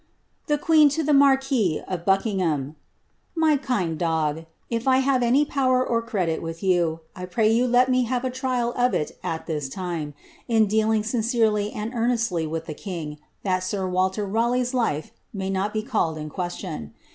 Tax QuBxir to tbx MABauis ov Bugkikobajc.* « My kind Dog, *« If I have any power or credit with ]ron, I pray yon let me have a trial of it at this time, in dealing sincerely and earnestly with the king, that sir Walter Raleigh's life may not be called in question.